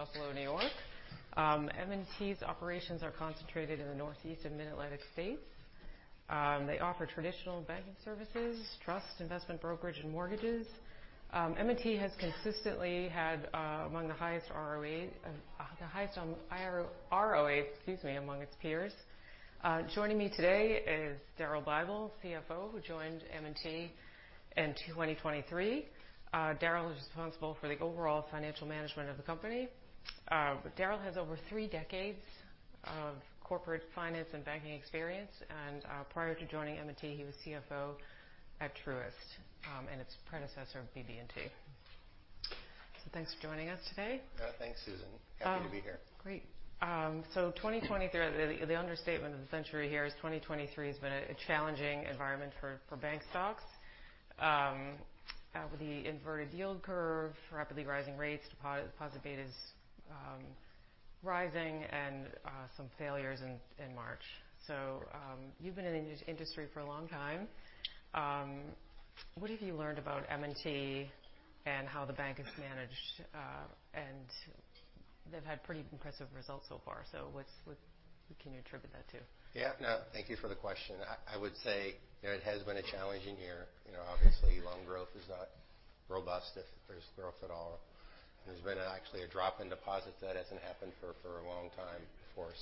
In Buffalo, N.Y. M&T's operations are concentrated in the Northeast and Mid-Atlantic states. They offer traditional banking services, trust, investment brokerage, and mortgages. M&T has consistently had the highest ROA among its peers. Joining me today is Daryl Bible, CFO, who joined M&T in 2023. Daryl is responsible for the overall financial management of the company. Daryl has over three decades of corporate finance and banking experience, and prior to joining M&T, he was CFO at Truist, and its predecessor, BB&T. Thanks for joining us today. Yeah. Thanks, Susan. Happy to be here. Great. The understatement of the century here is 2023 has been a challenging environment for bank stocks. With the inverted yield curve, rapidly rising rates, deposit betas rising, and some failures in March. You've been in the industry for a long time. What have you learned about M&T and how the bank is managed? They've had pretty impressive results so far. What can you attribute that to? Yeah. No, thank you for the question. I would say it has been a challenging year. Obviously, loan growth is not robust, if there's growth at all. There's been actually a drop in deposits that hasn't happened for a long time before.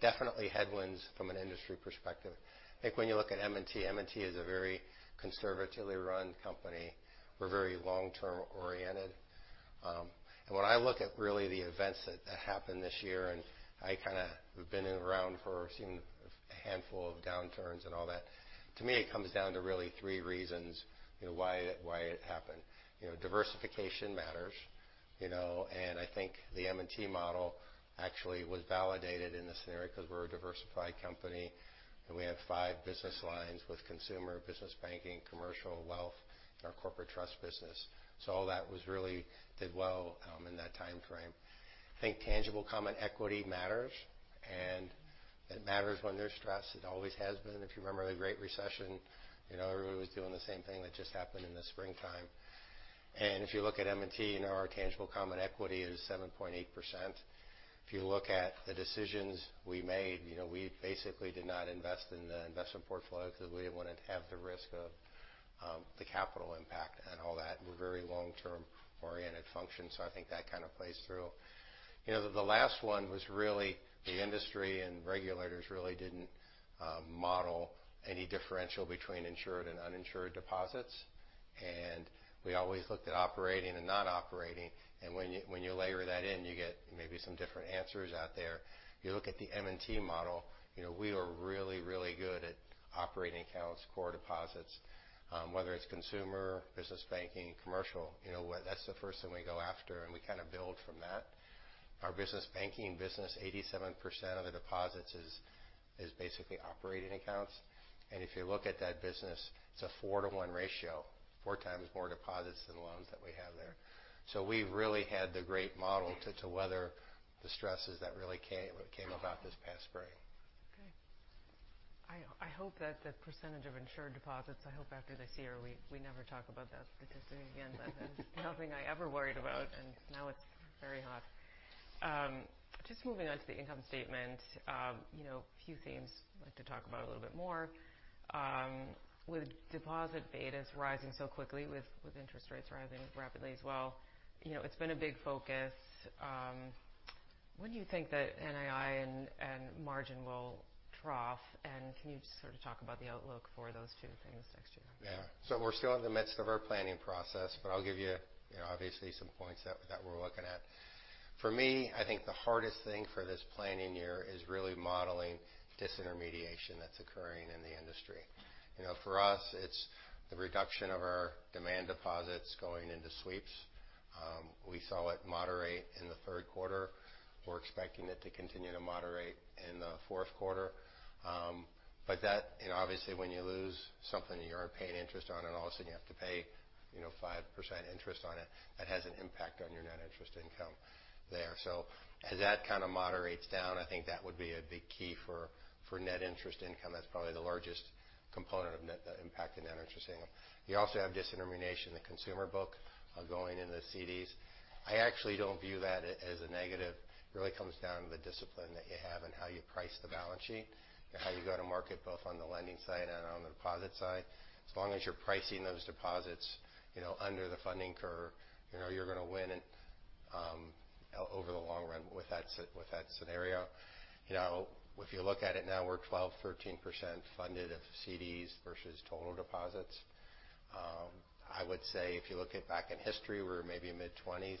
Definitely headwinds from an industry perspective. I think when you look at M&T, M&T is a very conservatively run company. We're very long-term oriented. When I look at really the events that happened this year, and I kind of have been around for seeing a handful of downturns and all that, to me, it comes down to really three reasons why it happened. Diversification matters. I think the M&T model actually was validated in this scenario because we're a diversified company, and we have five business lines with consumer business banking, commercial wealth, and our corporate trust business. All that really did well in that time frame. I think tangible common equity matters, and it matters when there's stress. It always has been. If you remember the Great Recession, everybody was doing the same thing that just happened in the springtime. If you look at M&T, our tangible common equity is 7.8%. If you look at the decisions we made, we basically did not invest in the investment portfolio because we didn't want to have the risk of the capital impact and all that. We're very long-term-oriented function. I think that kind of plays through. The last one was really the industry, and regulators really didn't model any differential between insured and uninsured deposits. We always looked at operating and not operating. When you layer that in, you get maybe some different answers out there. If you look at the M&T model, we are really good at operating accounts, core deposits. Whether it's consumer, business banking, commercial, that's the first thing we go after, and we kind of build from that. Our business banking business, 87% of the deposits is basically operating accounts. If you look at that business, it's a four-to-one ratio, four times more deposits than loans that we have there. We've really had the great model to weather the stresses that really came about this past spring. Okay. I hope that the percentage of insured deposits, I hope after this year we never talk about that because again, that is nothing I ever worried about, and now it's very hot. Just moving on to the income statement. A few themes I'd like to talk about a little bit more. With deposit betas rising so quickly, with interest rates rising rapidly as well, it's been a big focus. When do you think that NII and margin will trough, and can you just sort of talk about the outlook for those two things next year? Yeah. We're still in the midst of our planning process, but I'll give you obviously some points that we're looking at. For me, I think the hardest thing for this planning year is really modeling disintermediation that's occurring in the industry. For us, it's the reduction of our demand deposits going into sweeps. We saw it moderate in the third quarter. We're expecting it to continue to moderate in the fourth quarter. Obviously when you lose something that you aren't paying interest on, and all of a sudden you have to pay 5% interest on it, that has an impact on your net interest income there. As that kind of moderates down, I think that would be a big key for net interest income. That's probably the largest component of net impact in net interest income. You also have disintermediation in the consumer book going into CDs. I actually don't view that as a negative. It really comes down to the discipline that you have and how you price the balance sheet, and how you go to market, both on the lending side and on the deposit side. As long as you're pricing those deposits under the funding curve, you're going to win over the long run with that scenario. If you look at it now, we're 12%-13% funded of CDs versus total deposits. I would say if you look at back in history, we were maybe mid-20s. It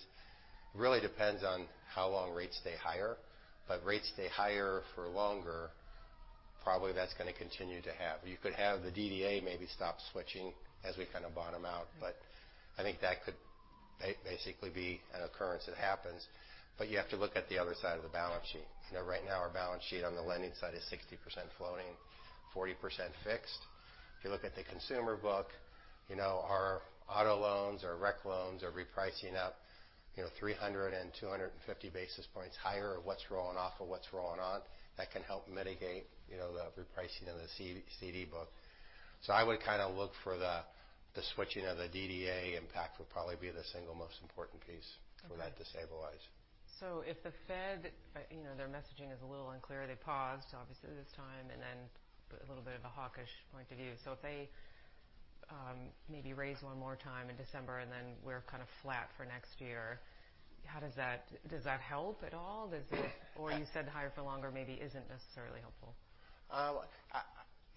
really depends on how long rates stay higher. Rates stay higher for longer, probably that's going to continue to have the DDA maybe stop switching as we kind of bottom out, but I think that could basically be an occurrence that happens. You have to look at the other side of the balance sheet. Right now our balance sheet on the lending side is 60% floating, 40% fixed. If you look at the consumer book, our auto loans, our rec loans are repricing up 300 and 250 basis points higher of what's rolling off of what's rolling on. That can help mitigate the repricing of the CD book. I would look for the switching of the DDA impact would probably be the single most important piece. Okay from that destabilize. If the Fed, their messaging is a little unclear. They paused, obviously, this time, and then a little bit of a hawkish point of view. If they maybe raise one more time in December, and then we're kind of flat for next year, how does that help at all? Does it. You said higher for longer maybe isn't necessarily helpful.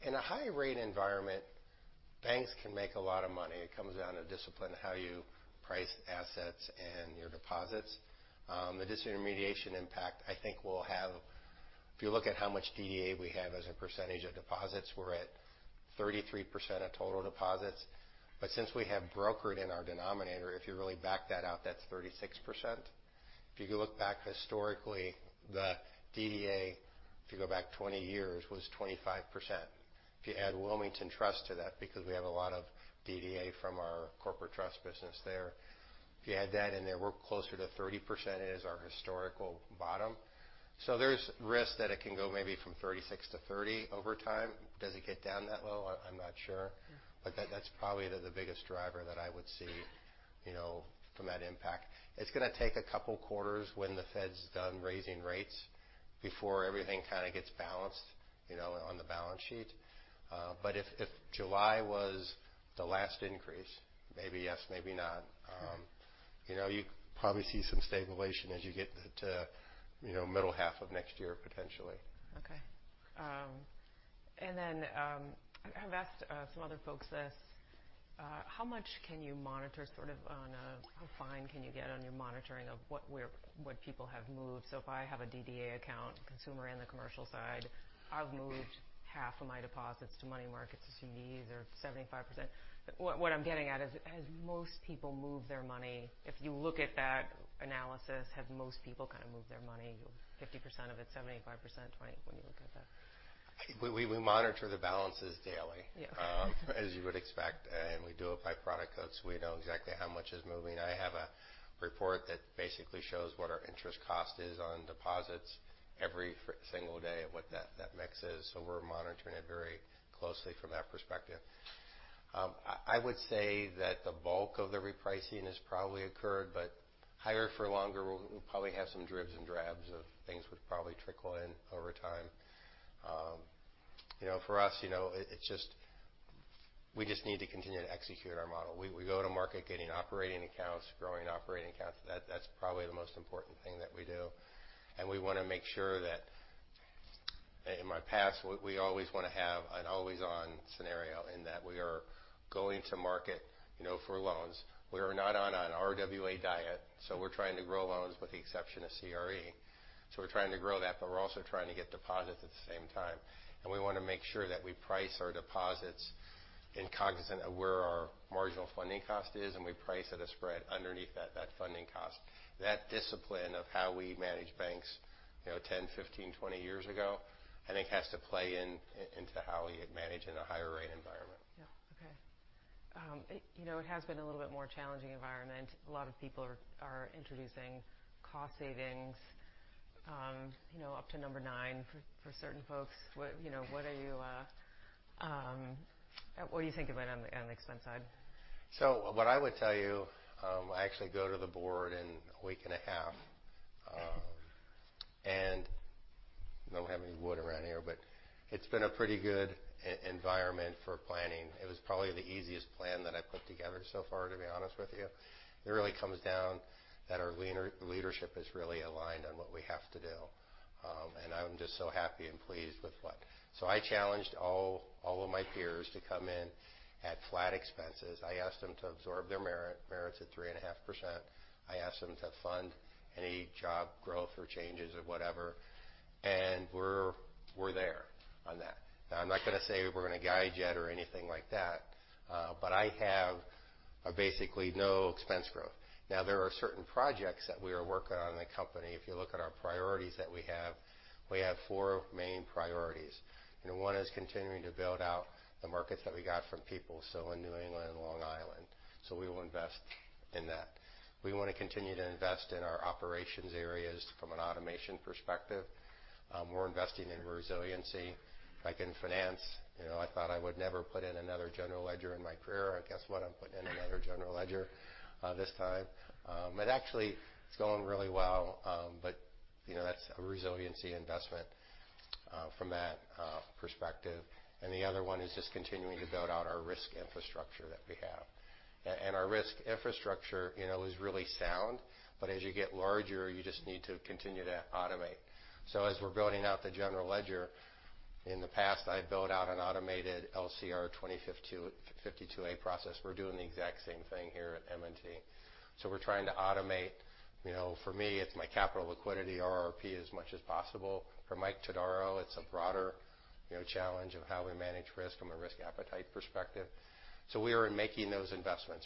In a high rate environment, banks can make a lot of money. It comes down to discipline, how you price assets and your deposits. The disintermediation impact, I think. If you look at how much DDA we have as a percentage of deposits, we're at 33% of total deposits. Since we have brokered in our denominator, if you really back that out, that's 36%. If you look back historically, the DDA, if you go back 20 years, was 25%. If you add Wilmington Trust to that, because we have a lot of DDA from our corporate trust business there, if you add that in there, we're closer to 30% is our historical bottom. There's risk that it can go maybe from 36 to 30 over time. Does it get down that low? I'm not sure. Yeah. That's probably the biggest driver that I would see from that impact. It's going to take a couple quarters when the Fed's done raising rates before everything kind of gets balanced on the balance sheet. If July was the last increase, maybe yes, maybe not. You probably see some stabilization as you get to middle half of next year, potentially. Okay. I've asked some other folks this. How fine can you get on your monitoring of what people have moved? If I have a DDA account, consumer and the commercial side, I've moved half of my deposits to money markets, to CDs, or 75%. What I'm getting at is, has most people moved their money? If you look at that analysis, have most people kind of moved their money, 50% of it, 75%, 20, when you look at that? We monitor the balances daily. Yeah. As you would expect. We do it by product codes, so we know exactly how much is moving. I have a report that basically shows what our interest cost is on deposits every single day and what that mix is. We're monitoring it very closely from that perspective. I would say that the bulk of the repricing has probably occurred, but higher for longer will probably have some dribs and drabs of things which probably trickle in over time. For us, we just need to continue to execute our model. We go to market getting operating accounts, growing operating accounts. That's probably the most important thing that we do. We want to make sure that, in my past, we always want to have an always-on scenario in that we are going to market for loans. We are not on an RWA diet, we're trying to grow loans with the exception of CRE. We're trying to grow that, but we're also trying to get deposits at the same time. We want to make sure that we price our deposits in cognizant of where our marginal funding cost is, and we price at a spread underneath that funding cost. That discipline of how we managed banks 10, 15, 20 years ago, I think has to play into how we manage in a higher rate environment. Yeah. Okay. It has been a little bit more challenging environment. A lot of people are introducing cost savings up to number 9 for certain folks. What do you think about on the expense side? What I would tell you, I actually go to the board in a week and a half. Okay. I don't have any wood around here, but it's been a pretty good environment for planning. It was probably the easiest plan that I've put together so far, to be honest with you. It really comes down that our leadership is really aligned on what we have to do. I'm just so happy and pleased with what I challenged all of my peers to come in at flat expenses. I asked them to absorb their merits at 3.5%. I asked them to fund any job growth or changes or whatever. We're there on that. Now, I'm not going to say we're going to guide yet or anything like that. I have basically no expense growth. Now, there are certain projects that we are working on in the company. If you look at our priorities that we have, we have four main priorities. One is continuing to build out the markets that we got from People's United, so in New England and Long Island. We will invest in that. We want to continue to invest in our operations areas from an automation perspective. We're investing in resiliency. Like in finance, I thought I would never put in another general ledger in my career. Guess what? I'm putting in another general ledger this time. Actually, it's going really well. That's a resiliency investment from that perspective. The other one is just continuing to build out our risk infrastructure that we have. Our risk infrastructure is really sound. As you get larger, you just need to continue to automate. As we're building out the general ledger, in the past, I built out an automated LCR 2052-A process. We're doing the exact same thing here at M&T. We're trying to automate. For me, it's my capital liquidity, RRP as much as possible. For Mike Todaro, it's a broader challenge of how we manage risk from a risk appetite perspective. We are making those investments.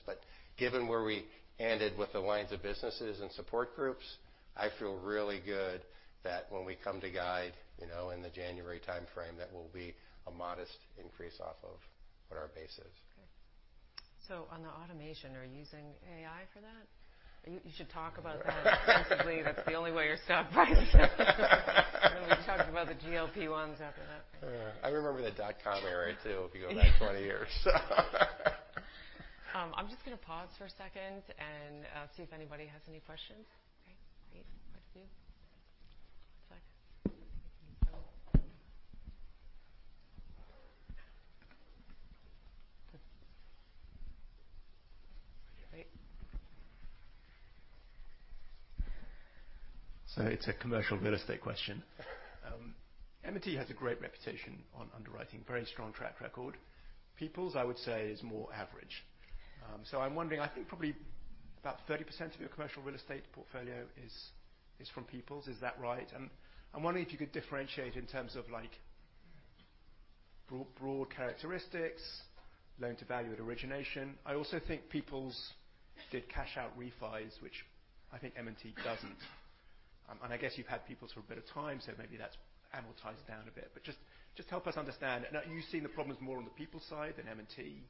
Given where we ended with the lines of businesses and support groups, I feel really good that when we come to guide in the January timeframe, that will be a modest increase off of what our base is. Okay. On the automation, are you using AI for that? You should talk about that extensively. That's the only way you're stuck by it. We can talk about the GLP-1s after that. Yeah. I remember the dot-com era, too, if you go back 20 years. I'm just going to pause for a second and see if anybody has any questions. Okay, please. What to do? One sec. I think it can be done. Okay. Great. It's a commercial real estate question. M&T has a great reputation on underwriting, very strong track record. People's, I would say, is more average. I'm wondering, I think probably about 30% of your commercial real estate portfolio is from People's. Is that right? I'm wondering if you could differentiate in terms of broad characteristics, loan-to-value at origination. I also think People's did cash-out refis, which I think M&T doesn't. I guess you've had People's for a bit of time, so maybe that's amortized down a bit. Just help us understand. You've seen the problems more on the People's side than M&T.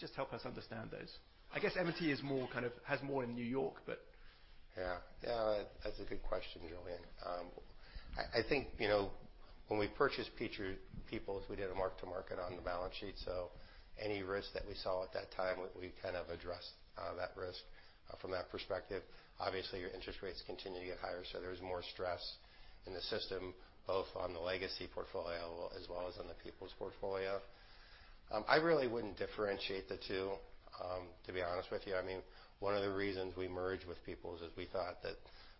Just help us understand those. I guess M&T has more in New York. Yeah. That's a good question, Julian. I think when we purchased People's, we did a mark-to-market on the balance sheet. Any risk that we saw at that time, we kind of addressed that risk from that perspective. Obviously, your interest rates continue to get higher. There's more stress in the system, both on the legacy portfolio as well as on the People's portfolio. I really wouldn't differentiate the two, to be honest with you. One of the reasons we merged with People's is we thought that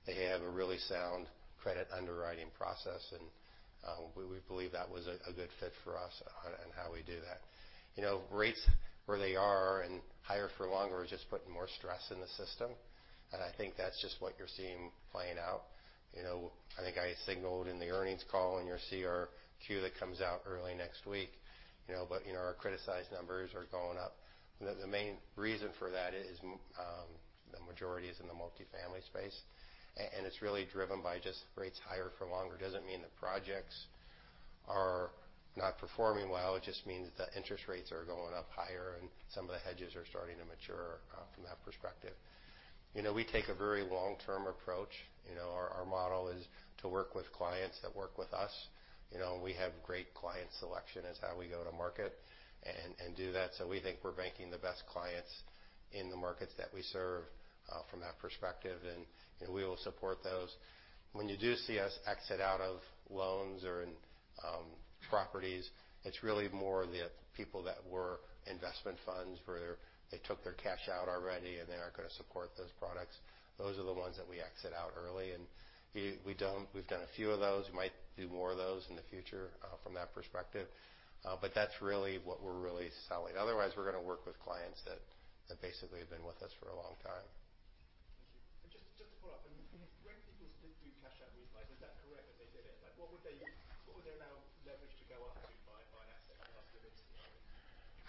they have a really sound credit underwriting process, and we believe that was a good fit for us on how we do that. Rates where they are and higher for longer is just putting more stress in the system, and I think that's just what you're seeing playing out. I think I signaled in the earnings call in your CRQ that comes out early next week. Our criticized numbers are going up. The main reason for that is the majority is in the multifamily space. It's really driven by just rates higher for longer. Doesn't mean the projects are not performing well. It just means the interest rates are going up higher and some of the hedges are starting to mature from that perspective. We take a very long-term approach. Our model is to work with clients that work with us. We have great client selection as how we go to market and do that. We think we're banking the best clients in the markets that we serve from that perspective, and we will support those. When you do see us exit out of loans or in properties, it's really more the people that were investment funds where they took their cash out already and they aren't going to support those products. Those are the ones that we exit out early. We've done a few of those. We might do more of those in the future from that perspective. That's really what we're really selling. Otherwise, we're going to work with clients that basically have been with us for a long time.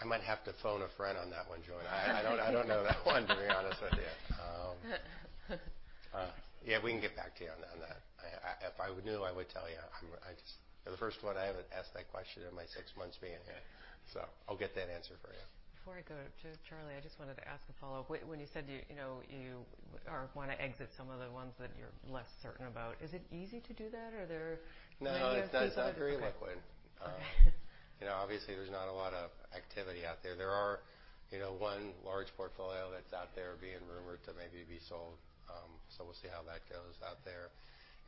Thank you. Just to follow up, when Peoples did do cash-out refis, is that correct that they did it? What would their now leverage to go up to buy an asset at last limits? I might have to phone a friend on that one, Julian. I don't know that one, to be honest with you. We can get back to you on that. If I would knew, I would tell you. You're the first one I haven't asked that question in my six months being here. I'll get that answer for you. Before I go to Charlie, I just wanted to ask a follow-up. When you said you want to exit some of the ones that you're less certain about, is it easy to do that? Are there not as people- It's not very liquid. Okay. Obviously, there's not a lot of activity out there. There are one large portfolio that's out there being rumored to maybe be sold. We'll see how that goes out there.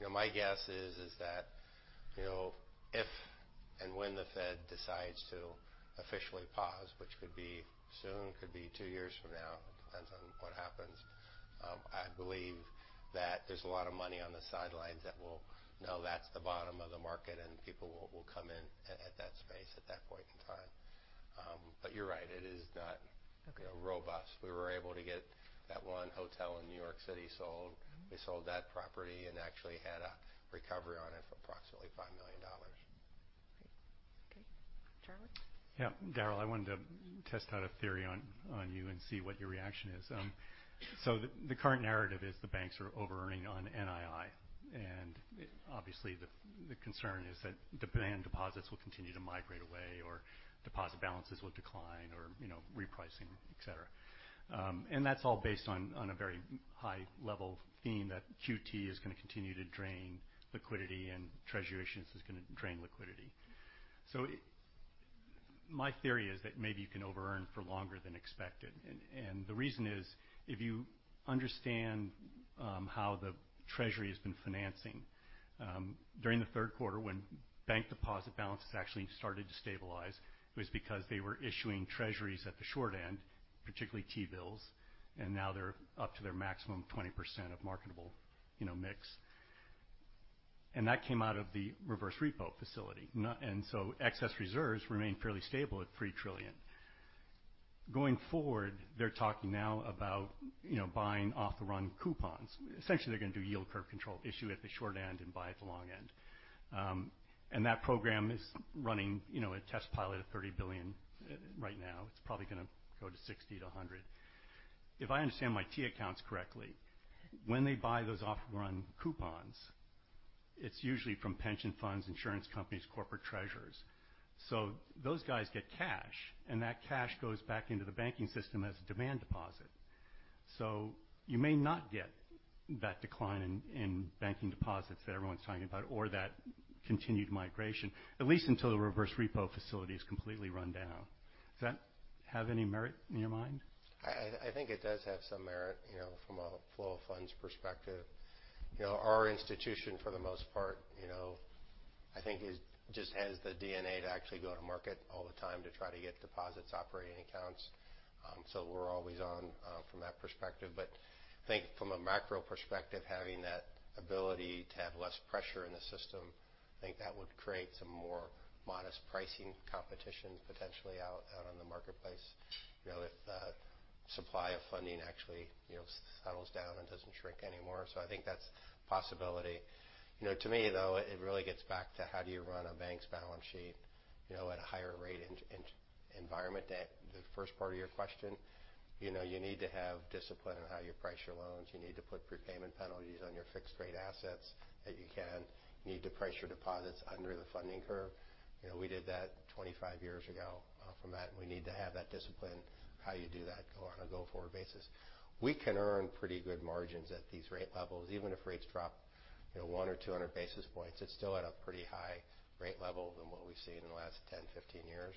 My guess is that if and when the Fed decides to officially pause, which could be soon, could be two years from now, it depends on what happens. I believe that there's a lot of money on the sidelines that will know that's the bottom of the market and people will come in at that space at that point in time. You're right. It is not- Okay robust. We were able to get that one hotel in New York City sold. We sold that property and actually had a recovery on it for approximately $5 million. Great. Okay. Charlie? Yeah. Daryl, I wanted to test out a theory on you and see what your reaction is. The current narrative is the banks are over-earning on NII. Obviously, the concern is that demand deposits will continue to migrate away or deposit balances will decline or repricing, et cetera. That's all based on a very high-level theme that QT is going to continue to drain liquidity and Treasury issuance is going to drain liquidity. My theory is that maybe you can over-earn for longer than expected. The reason is, if you understand how the Treasury has been financing. During the third quarter, when bank deposit balances actually started to stabilize, it was because they were issuing Treasuries at the short end, particularly T-bills, and now they're up to their maximum 20% of marketable mix. That came out of the reverse repo facility. Excess reserves remain fairly stable at $3 trillion. Going forward, they're talking now about buying off-the-run coupons. Essentially, they're going to do yield curve control, issue at the short end and buy at the long end. That program is running a test pilot of $30 billion right now. It's probably going to go to $60 billion-$100 billion If I understand my T accounts correctly, when they buy those off-run coupons, it's usually from pension funds, insurance companies, corporate treasurers. Those guys get cash, and that cash goes back into the banking system as a demand deposit. You may not get that decline in banking deposits that everyone's talking about or that continued migration, at least until the reverse repo facility is completely run down. Does that have any merit in your mind? I think it does have some merit from a flow of funds perspective. Our institution, for the most part, I think just has the DNA to actually go to market all the time to try to get deposits, operating accounts. We're always on from that perspective. I think from a macro perspective, having that ability to have less pressure in the system, I think that would create some more modest pricing competitions potentially out on the marketplace, if the supply of funding actually settles down and doesn't shrink anymore. I think that's a possibility. To me, though, it really gets back to how do you run a bank's balance sheet at a higher rate environment. The first part of your question, you need to have discipline on how you price your loans. You need to put prepayment penalties on your fixed-rate assets that you can. You need to price your deposits under the funding curve. We did that 25 years ago. From that, we need to have that discipline, how you do that on a go-forward basis. We can earn pretty good margins at these rate levels. Even if rates drop 100 or 200 basis points, it's still at a pretty high rate level than what we've seen in the last 10, 15 years.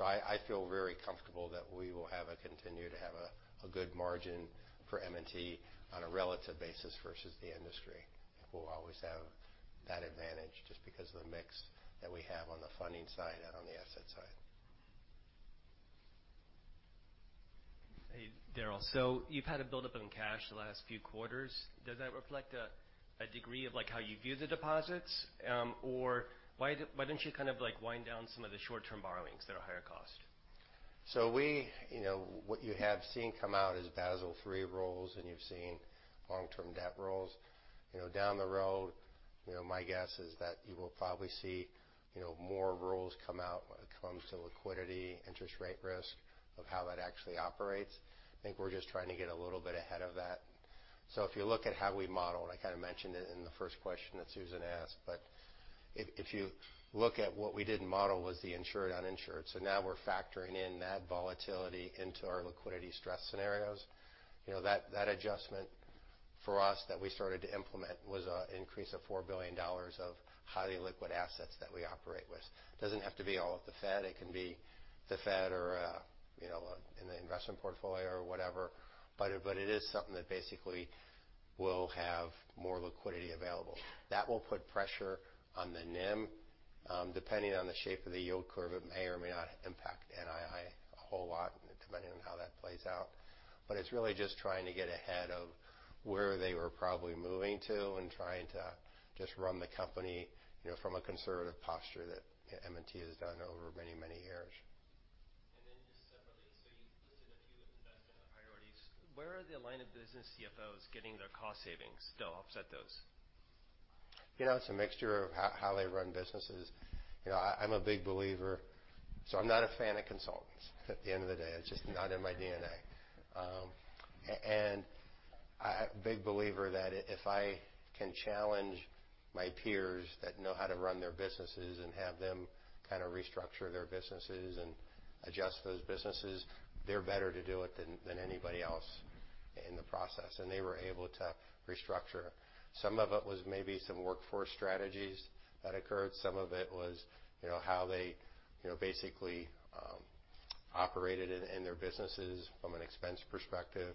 I feel very comfortable that we will continue to have a good margin for M&T on a relative basis versus the industry. We'll always have that advantage just because of the mix that we have on the funding side and on the asset side. Hey, Daryl. You've had a buildup in cash the last few quarters. Does that reflect a degree of how you view the deposits? Why don't you wind down some of the short-term borrowings that are higher cost? What you have seen come out is Basel III rules, and you've seen long-term debt rules. Down the road, my guess is that you will probably see more rules come out when it comes to liquidity, interest rate risk, of how that actually operates. I think we're just trying to get a little bit ahead of that. If you look at how we model, and I kind of mentioned it in the first question that Susan asked, if you look at what we didn't model was the insured, uninsured. Now we're factoring in that volatility into our liquidity stress scenarios. That adjustment for us that we started to implement was an increase of $4 billion of highly liquid assets that we operate with. It doesn't have to be all with the Fed. It can be the Fed or in the investment portfolio or whatever. It is something that basically will have more liquidity available. That will put pressure on the NIM. Depending on the shape of the yield curve, it may or may not impact NII a whole lot, depending on how that plays out. It's really just trying to get ahead of where they were probably moving to and trying to just run the company from a conservative posture that M&T has done over many, many years. Just separately, you listed a few investment priorities. Where are the line of business CFOs getting their cost savings to help set those? It's a mixture of how they run businesses. I'm a big believer. I'm not a fan of consultants at the end of the day. It's just not in my DNA. A big believer that if I can challenge my peers that know how to run their businesses and have them restructure their businesses and adjust those businesses, they're better to do it than anybody else in the process. They were able to restructure. Some of it was maybe some workforce strategies that occurred. Some of it was how they basically operated in their businesses from an expense perspective.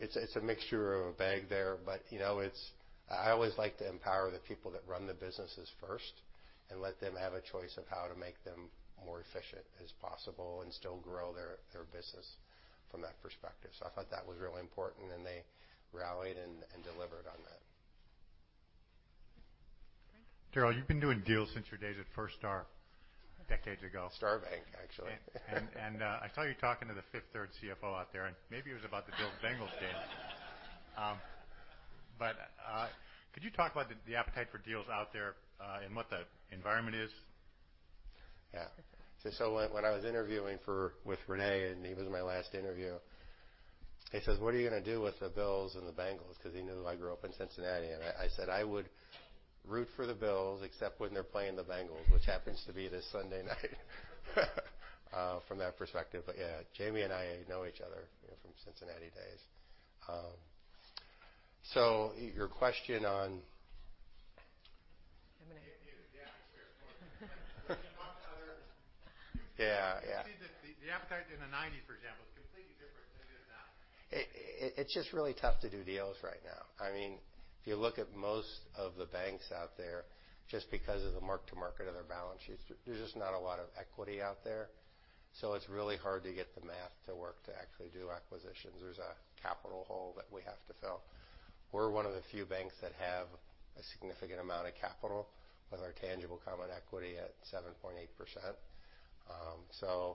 It's a mixture of a bag there. I always like to empower the people that run the businesses first and let them have a choice of how to make them more efficient as possible and still grow their business from that perspective. I thought that was really important, and they rallied and delivered on that. Daryl, you've been doing deals since your days at Firstar decades ago. Star Banc, actually. I saw you talking to the Fifth Third CFO out there, maybe it was about the Bills-Bengals game. Could you talk about the appetite for deals out there, and what that environment is? Yeah. When I was interviewing with René, and he was my last interview. He says, "What are you going to do with the Bills and the Bengals?" Because he knew I grew up in Cincinnati. I said, "I would root for the Bills, except when they're playing the Bengals," which happens to be this Sunday night. From that perspective. Yeah, Jamie and I know each other from Cincinnati days. Your question on I'm going to. Yeah. The appetite in the 1990s, for example, is completely different than it is now. It's just really tough to do deals right now. If you look at most of the banks out there, just because of the mark-to-market of their balance sheets, there's just not a lot of equity out there. It's really hard to get the math to work to actually do acquisitions. There's a capital hole that we have to fill. We're one of the few banks that have a significant amount of capital with our tangible common equity at 7.8%.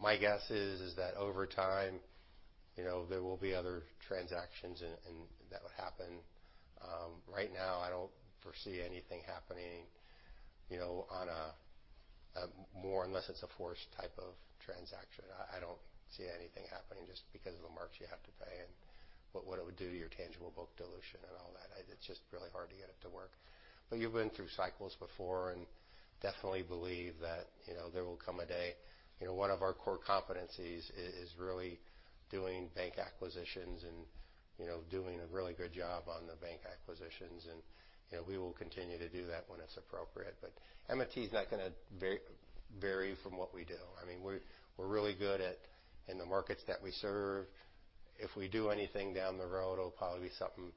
My guess is that over time there will be other transactions that would happen. Right now, I don't foresee anything happening, more unless it's a forced type of transaction. I don't see anything happening just because of the marks you have to pay and what it would do to your tangible book dilution and all that. It's just really hard to get it to work. You've been through cycles before and definitely believe that there will come a day. One of our core competencies is really doing bank acquisitions and doing a really good job on the bank acquisitions, and we will continue to do that when it's appropriate. M&T is not going to vary from what we do. We're really good in the markets that we serve. If we do anything down the road, it'll probably be something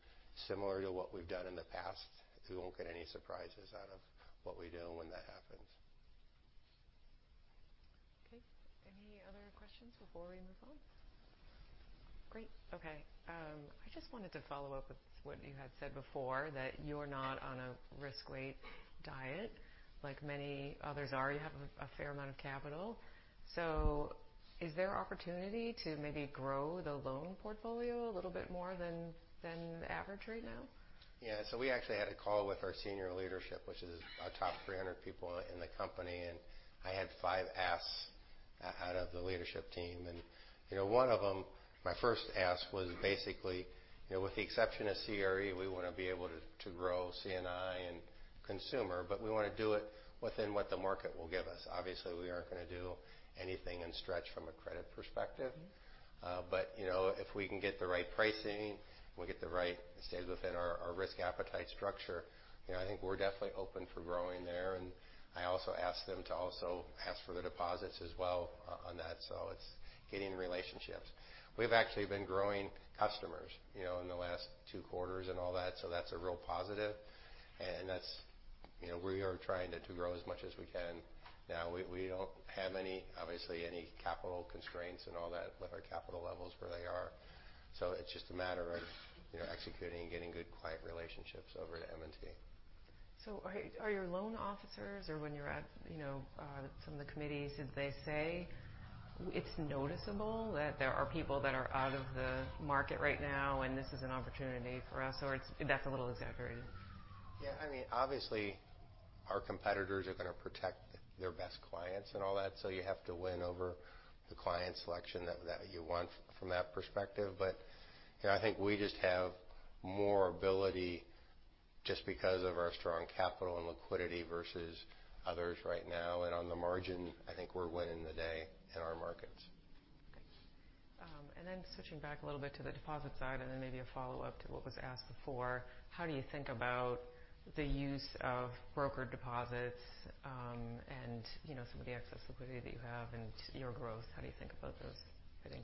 similar to what we've done in the past. You won't get any surprises out of what we do when that happens. Okay. Any other questions before we move on? Great. Okay. I just wanted to follow up with what you had said before, that you're not on a risk-weight diet like many others are. You have a fair amount of capital. Is there opportunity to maybe grow the loan portfolio a little bit more than the average right now? Yeah. We actually had a call with our senior leadership, which is our top 300 people in the company, and I had five asks out of the leadership team. One of them, my first ask was basically, with the exception of CRE, we want to be able to grow C&I and consumer, but we want to do it within what the market will give us. Obviously, we aren't going to do anything and stretch from a credit perspective. If we can get the right pricing, and it stays within our risk appetite structure, I think we're definitely open for growing there. I also asked them to also ask for the deposits as well on that. It's getting relationships. We've actually been growing customers in the last two quarters and all that, so that's a real positive. We are trying to grow as much as we can. Now, we don't have obviously any capital constraints and all that with our capital levels where they are. It's just a matter of executing and getting good client relationships over at M&T. Are your loan officers, or when you're at some of the committees, did they say it's noticeable that there are people that are out of the market right now, and this is an opportunity for us, or that's a little exaggerated? Obviously, our competitors are going to protect their best clients and all that, so you have to win over the client selection that you want from that perspective. I think we just have more ability just because of our strong capital and liquidity versus others right now. On the margin, I think we're winning the day in our markets. Switching back a little bit to the deposit side, and then maybe a follow-up to what was asked before, how do you think about the use of broker deposits, and some of the excess liquidity that you have and your growth? How do you think about those fitting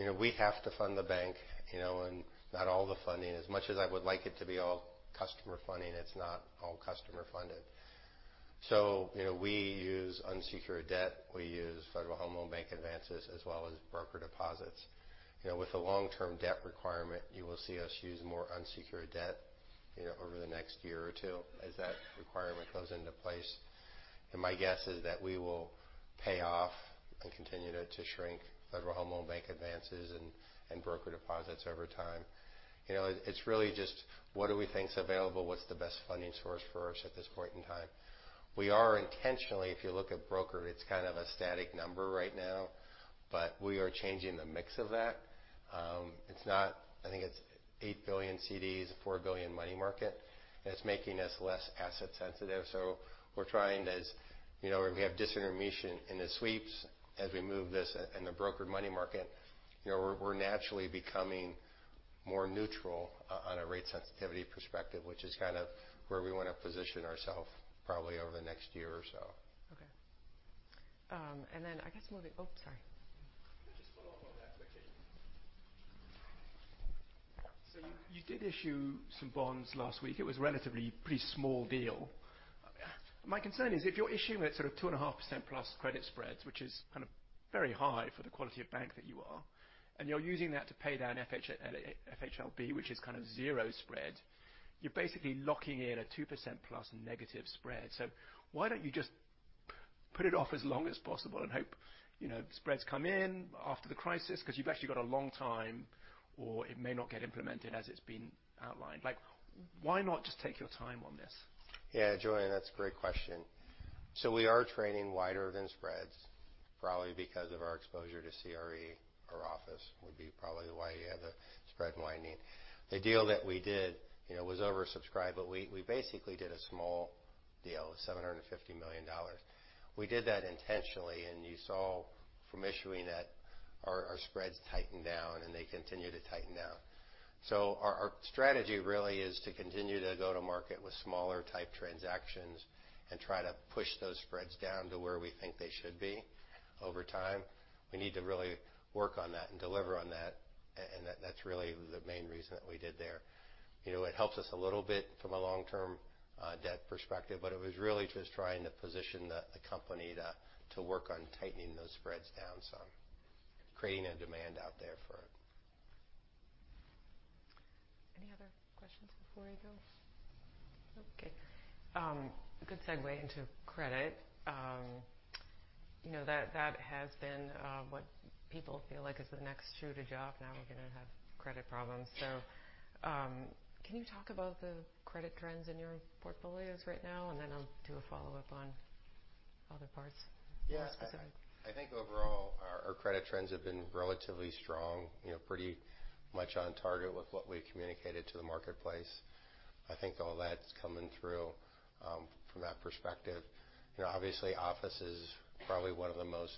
together? We have to fund the bank. Not all the funding, as much as I would like it to be all customer funding, it's not all customer funded. We use unsecured debt. We use Federal Home Loan Bank advances as well as broker deposits. With the long-term debt requirement, you will see us use more unsecured debt over the next year or two as that requirement goes into place. My guess is that we will pay off and continue to shrink Federal Home Loan Bank advances and broker deposits over time. It's really just what do we think is available, what's the best funding source for us at this point in time? We are intentionally, if you look at broker, it's kind of a static number right now, but we are changing the mix of that. I think it's $8 billion CDs, $4 billion money market, it's making us less asset sensitive. We're trying to, where we have disintermediation in the sweeps, as we move this in the broker money market, we're naturally becoming more neutral on a rate sensitivity perspective, which is where we want to position ourself probably over the next year or so. Okay. Just follow up on that quickly. You did issue some bonds last week. It was relatively pretty small deal. My concern is if you're issuing at sort of 2.5% plus credit spreads, which is very high for the quality of bank that you are, and you're using that to pay down FHLB, which is kind of zero spread, you're basically locking in a 2% plus negative spread. Why don't you just put it off as long as possible and hope spreads come in after the crisis because you've actually got a long time, or it may not get implemented as it's been outlined. Why not just take your time on this? Yeah, Julian, that's a great question. We are trading wider than spreads probably because of our exposure to CRE or office would be probably why you have the spread widening. The deal that we did was oversubscribed, but we basically did a small deal, $750 million. We did that intentionally, and you saw from issuing that our spreads tightened down, and they continue to tighten down. Our strategy really is to continue to go to market with smaller type transactions and try to push those spreads down to where we think they should be over time. We need to really work on that and deliver on that, and that's really the main reason that we did there. It helps us a little bit from a long-term debt perspective, but it was really just trying to position the company to work on tightening those spreads down some. Creating a demand out there for it. Before we go? Okay. Good segue into credit. That has been what people feel like is the next shoe to drop. Now we're going to have credit problems. Can you talk about the credit trends in your portfolios right now? I'll do a follow-up on other parts. Yeah. More specific. I think overall, our credit trends have been relatively strong, pretty much on target with what we've communicated to the marketplace. I think all that's coming through from that perspective. Obviously, office is probably one of the most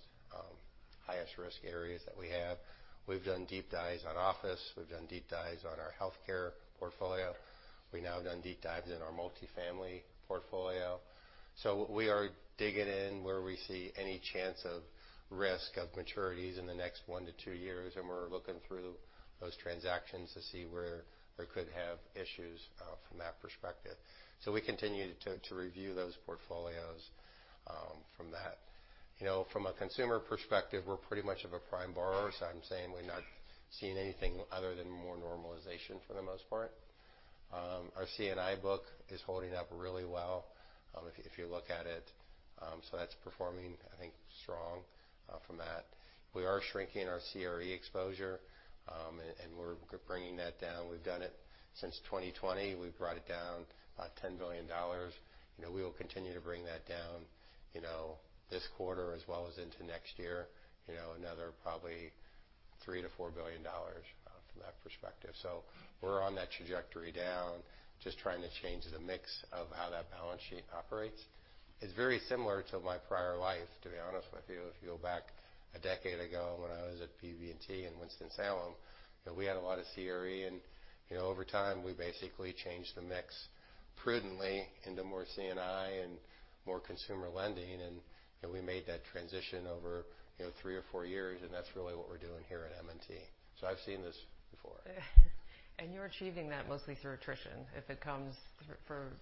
highest risk areas that we have. We've done deep dives on office. We've done deep dives on our healthcare portfolio. We now have done deep dives in our multifamily portfolio. We are digging in where we see any chance of risk of maturities in the next one to two years, we're looking through those transactions to see where there could have issues from that perspective. We continue to review those portfolios from that. From a consumer perspective, we're pretty much of a prime borrower, I'm saying we're not seeing anything other than more normalization for the most part. Our C&I book is holding up really well, if you look at it. That's performing, I think strong from that. We are shrinking our CRE exposure, we're bringing that down. We've done it since 2020. We've brought it down about $10 billion. We will continue to bring that down this quarter as well as into next year, another probably $3 billion-$4 billion from that perspective. We're on that trajectory down, just trying to change the mix of how that balance sheet operates. It's very similar to my prior life, to be honest with you. If you go back a decade ago when I was at BB&T in Winston-Salem, we had a lot of CRE, and over time, we basically changed the mix prudently into more C&I and more consumer lending, and we made that transition over three or four years, and that's really what we're doing here at M&T. I've seen this before. You're achieving that mostly through attrition. If it comes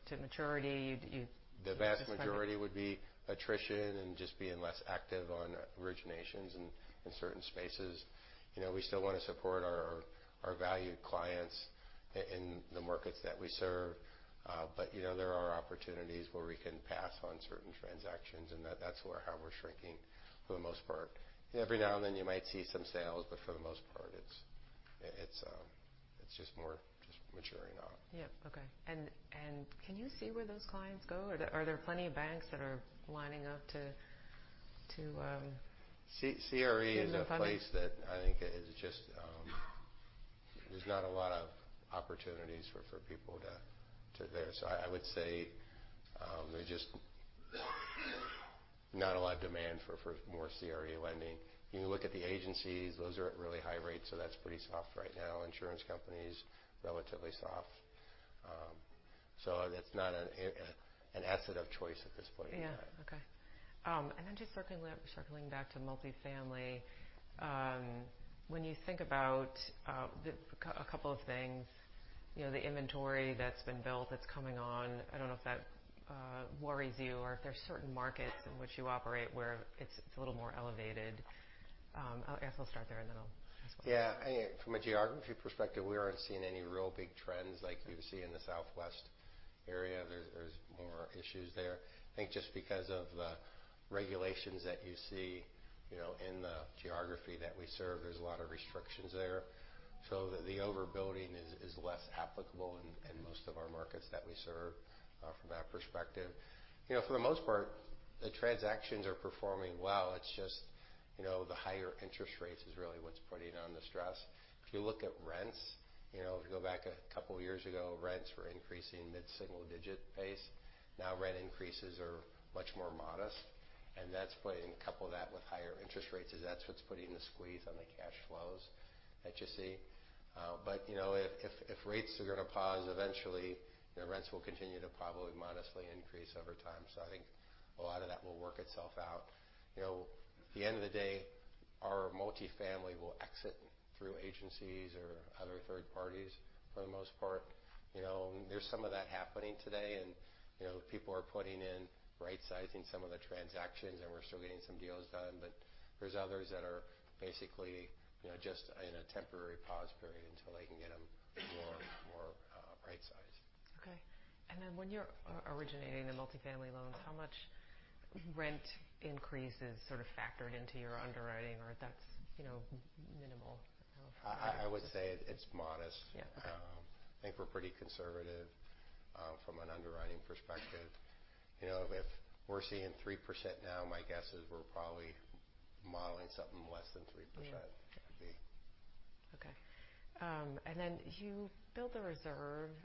to maturity, you- The vast majority would be attrition and just being less active on originations in certain spaces. We still want to support our valued clients in the markets that we serve. There are opportunities where we can pass on certain transactions, and that's how we're shrinking for the most part. Every now and then you might see some sales, but for the most part, it's just more just maturing off. Yeah. Okay. Can you see where those clients go? Are there plenty of banks that are lining up to- CRE- Give them funding? is a place that I think there's not a lot of opportunities for people there. I would say there's just not a lot of demand for more CRE lending. You look at the agencies, those are at really high rates. That's pretty soft right now. Insurance companies, relatively soft. It's not an asset of choice at this point in time. Yeah. Okay. Then just circling back to multifamily. When you think about a couple of things, the inventory that's been built that's coming on, I don't know if that worries you or if there's certain markets in which you operate where it's a little more elevated. I guess I'll start there, and then I'll ask more. Yeah. From a geography perspective, we aren't seeing any real big trends like you see in the Southwest area. There's more issues there. I think just because of the regulations that you see in the geography that we serve, there's a lot of restrictions there. The overbuilding is less applicable in most of our markets that we serve from that perspective. For the most part, the transactions are performing well. It's just the higher interest rates is really what's putting on the stress. If you look at rents, if you go back a couple of years ago, rents were increasing mid-single digit pace. Now rent increases are much more modest, and that's putting a couple of that with higher interest rates is that's what's putting the squeeze on the cash flows that you see. If rates are going to pause eventually, the rents will continue to probably modestly increase over time. I think a lot of that will work itself out. At the end of the day, our multifamily will exit through agencies or other third parties for the most part. There's some of that happening today, and people are putting in rightsizing some of the transactions, and we're still getting some deals done. There's others that are basically just in a temporary pause period until they can get them more right-sized. Okay. When you're originating the multifamily loans, how much rent increase is sort of factored into your underwriting or that's minimal? I would say it's modest. Yeah. I think we're pretty conservative from an underwriting perspective. If we're seeing 3% now, my guess is we're probably modeling something less than 3%. Yeah. Could be. Okay. You built a reserve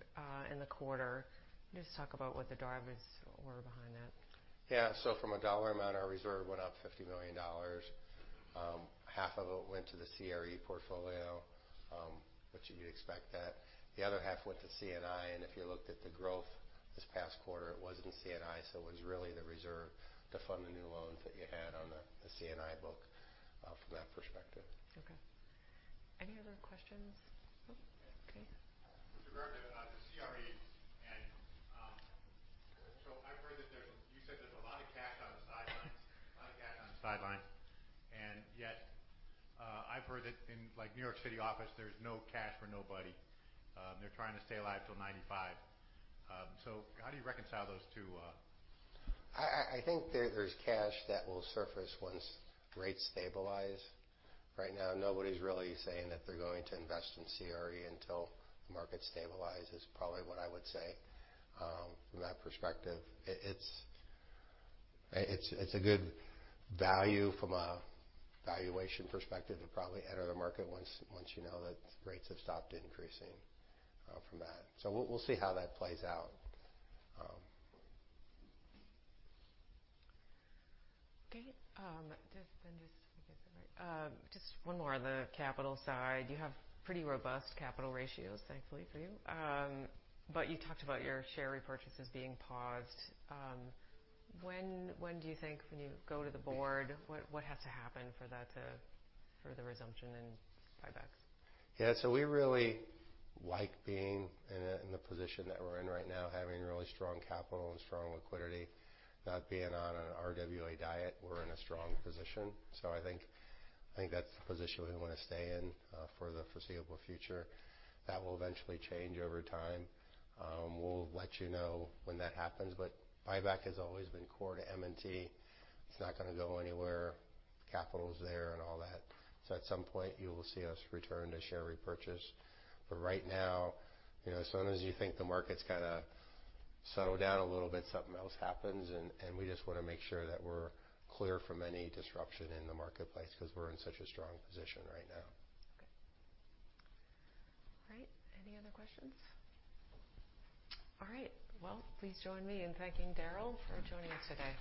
in the quarter. Can you just talk about what the drivers were behind that? Yeah. From a dollar amount, our reserve went up $50 million. Half of it went to the CRE portfolio, which you'd expect that. The other half went to C&I, and if you looked at the growth this past quarter, it was in C&I, so it was really the reserve to fund the new loans that you had on the C&I book from that perspective. Okay. Any other questions? Nope? Okay. With regard to the CRE. On the sidelines. Yet, I've heard that in New York City office, there's no cash for nobody. They're trying to stay alive till 2025. How do you reconcile those two? I think there's cash that will surface once rates stabilize. Right now, nobody's really saying that they're going to invest in CRE until the market stabilizes, probably what I would say. From that perspective, it's a good value from a valuation perspective to probably enter the market once you know that rates have stopped increasing from that. We'll see how that plays out. Okay. Just one more on the capital side. You have pretty robust capital ratios, thankfully for you. You talked about your share repurchases being paused. When do you think when you go to the board, what has to happen for the resumption in buybacks? We really like being in the position that we're in right now, having really strong capital and strong liquidity. Not being on an RWA diet, we're in a strong position. I think that's the position we want to stay in for the foreseeable future. That will eventually change over time. We'll let you know when that happens, but buyback has always been core to M&T. It's not going to go anywhere. Capital's there and all that. At some point, you will see us return to share repurchase. Right now, as soon as you think the market's got to settle down a little bit, something else happens, and we just want to make sure that we're clear from any disruption in the marketplace because we're in such a strong position right now. Okay. All right. Any other questions? All right. Please join me in thanking Daryl for joining us today.